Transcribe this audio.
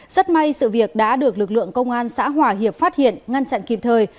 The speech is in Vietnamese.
rất may sự việc đã được lực lượng công an xã hòa hiệp phát hiện ngăn chặn kịp thời